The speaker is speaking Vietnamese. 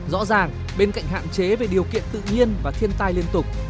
rõ ràng bên cạnh hạn chế về điều kiện tự nhiên và thiên tai liên tục